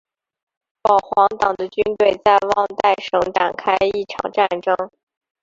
保皇党的军队在旺代省展开一场战争。